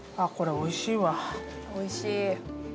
おいしい。